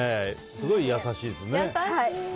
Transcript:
すごい優しいですね。